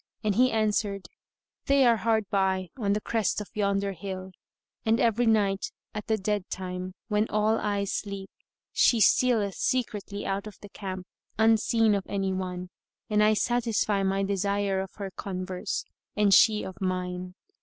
and he answered, "They are hard by, on the crest of yonder hill; and every night, at the dead time, when all eyes sleep, she stealeth secretly out of the camp, unseen of any one, and I satisfy my desire of her converse and she of mine.